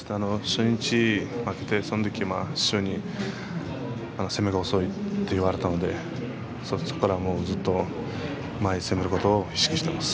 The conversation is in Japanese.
初日、負けて攻めが遅いと言われたのでそこからずっと前に攻めることを意識しています。